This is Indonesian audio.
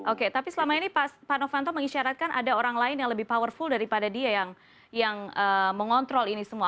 oke tapi selama ini pak novanto mengisyaratkan ada orang lain yang lebih powerful daripada dia yang mengontrol ini semua